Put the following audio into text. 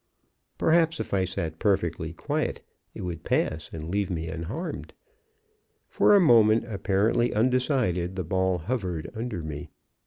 Perhaps, if I sat perfectly quiet, it would pass and leave me unharmed. "For a moment, apparently undecided, the ball hovered under me.